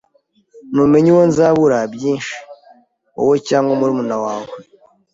ntumenye uwo nzabura byinshi, wowe cyangwa murumuna wawe